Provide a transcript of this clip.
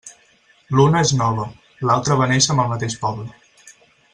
L'una és nova, l'altra va néixer amb el mateix poble.